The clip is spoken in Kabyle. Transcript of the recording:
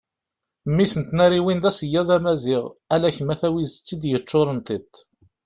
mmi-s n tnariwin d aseggad amaziɣ ala kem a tawizet i d-yeččuren tiṭ